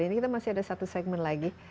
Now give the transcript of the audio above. ini kita masih ada satu segmen lagi